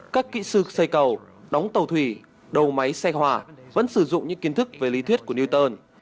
các kỹ sư xây cầu đóng tàu thủy đầu máy xe hỏa vẫn sử dụng những kiến thức về lý thuyết của newton